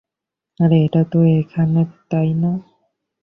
আরে এটা তো এখানে, তাই না?